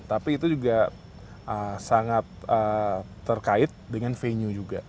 tapi itu juga sangat terkait dengan venue juga